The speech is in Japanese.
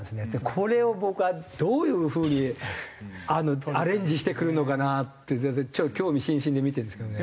これを僕はどういう風にアレンジしてくるのかなって興味津々で見てるんですけどね。